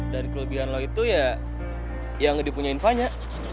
dan kelebihan lo itu ya yang dipunyain fanya